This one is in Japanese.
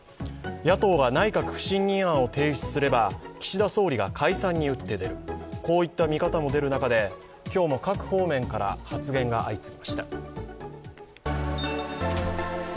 野党が内閣不信任案を提出すれば岸田総理が解散に打って出る、こういった見方も出る中で今日も各方面から発言が相次ぎました。